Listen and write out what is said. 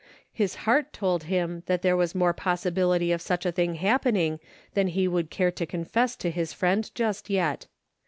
His heart told him that there was more possibility of such a thing happening than he would care to confess to his friend just yet.